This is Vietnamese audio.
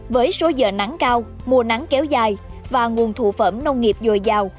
với số giờ nắng cao mùa nắng kéo dài và nguồn thụ phẩm nông nghiệp dồi dào